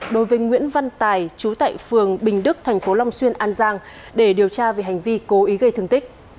đối với nguyễn văn tài chú tại phường bình đức thành phố long xuyên an giang để điều tra về hành vi cố ý gây thương tích